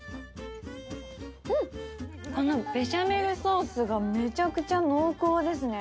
このベシャメルソースがめちゃくちゃ濃厚ですね。